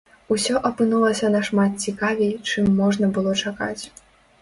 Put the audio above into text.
Усё апынулася нашмат цікавей, чым можна было чакаць.